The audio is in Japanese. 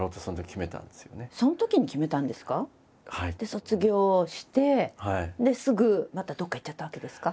卒業してすぐまたどっか行っちゃったわけですか？